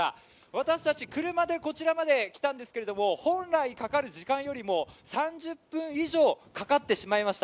私たち、車でこちらまで来たんですけれども、本来かかる時間よりも３０分以上かかってしまいました。